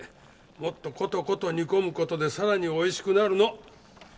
もっとコトコト煮込む事でさらに美味しくなるの。